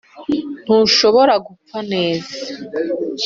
ntushobora gupfa neza